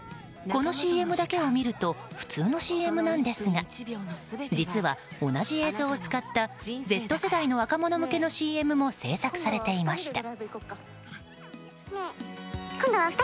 このＣＭだけを見ると普通のＣＭなんですが実は、同じ映像を使ったＺ世代の若者向けのＣＭも制作されていました。